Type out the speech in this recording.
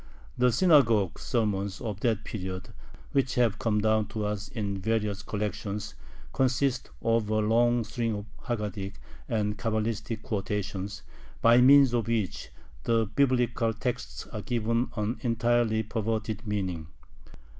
The synagogue sermons of that period, which have come down to us in various collections, consist of a long string of Haggadic and Cabalistic quotations, by means of which the Biblical texts are given an entirely perverted meaning.